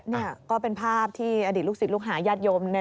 นี่ก็เป็นภาพที่อดีตลูกศิษย์ลูกหาญาติโยม